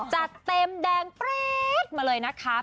จัดเต็มแดงปรี๊ดมาเลยนะคะ